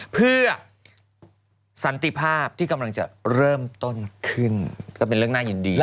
เพื่อสันติภาพที่กำลังจะเริ่มต้นขึ้นก็เป็นเรื่องน่ายินดี